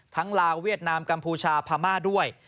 ลาวเวียดนามกัมพูชาพม่าด้วย